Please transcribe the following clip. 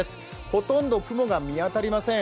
ほとんど雲が見当たりません。